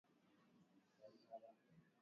Mimi sipendi kulalamika